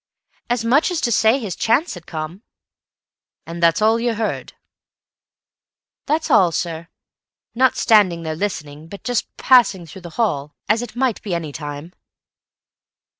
"As much as to say his chance had come." "And that's all you heard?" "That's all, sir—not standing there listening, but just passing through the hall, as it might be any time."